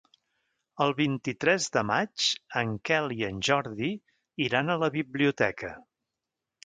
El vint-i-tres de maig en Quel i en Jordi iran a la biblioteca.